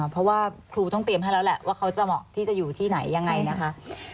เพราะว่าครูต้องเตรียมให้แล้วแหละว่าเขาจะเหมาะที่จะอยู่ที่ไหนยังไงนะคะ